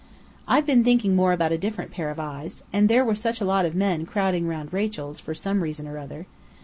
"I've been thinking more about a different pair of eyes. And there were such a lot of men crowding round Rachel's for some reason or other."